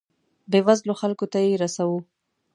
بیوزلو خلکو ته یې رسوو.